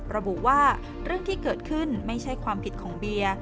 ระบุว่าเรื่องที่เกิดขึ้นไม่ใช่ความผิดของเบียร์